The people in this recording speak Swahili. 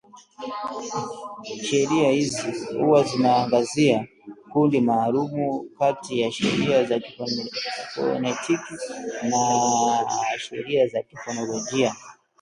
Sheria hizi huwa zinaangazia kundi maalum kati ya sheria za kifonetiki na sheria za kimofolojia